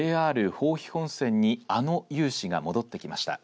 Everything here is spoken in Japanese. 豊肥本線にあの雄姿が戻ってきました。